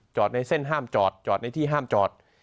ในเส้นห้ามจอดจอดในที่ห้ามจอด